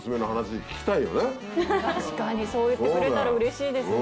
確かにそう言ってくれたらうれしいですね。